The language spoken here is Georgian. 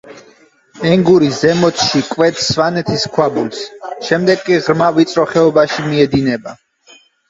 ენგური ზემოთში კვეთს სვანეთის ქვაბულს, შემდეგ კი ღრმა და ვიწრო ხეობაში მიედინება.